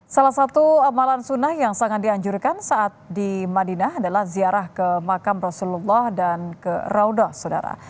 salah satu amalan sunnah yang sangat dianjurkan saat di madinah adalah ziarah ke makam rasulullah dan ke raudah saudara